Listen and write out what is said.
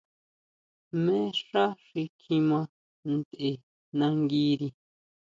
¿Jmé xá xi kjima ntʼe nanguiri?